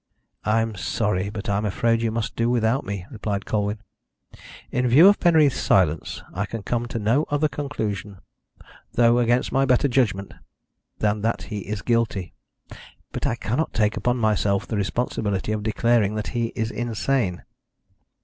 "I am sorry, but I am afraid you must do without me," replied Colwyn. "In view of Penreath's silence I can come to no other conclusion, though against my better judgment, than that he is guilty, but I cannot take upon myself the responsibility of declaring that he is insane.